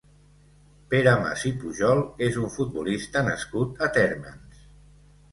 Pere Mas i Pujol és un futbolista nascut a Térmens.